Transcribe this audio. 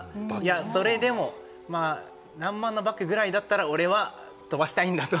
それでも、何万ぐらいのバックだったら、俺は飛ばしたいんだと。